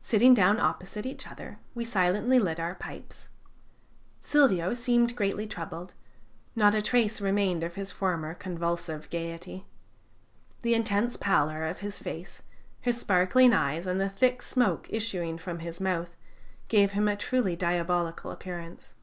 Sitting down opposite each other, we silently lit our pipes. Silvio seemed greatly troubled; not a trace remained of his former convulsive gayety. The intense pallor of his face, his sparkling eyes, and the thick smoke issuing from his mouth, gave him a truly diabolical appearance.